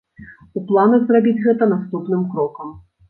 У планах зрабіць гэта наступным крокам.